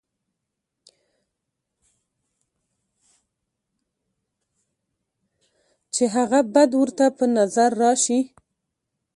چې هغه بد ورته پۀ نظر راشي،